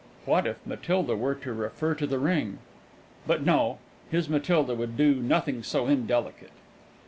What if Matilda were to refer to the ring? But no; his Matilda would do nothing so indelicate.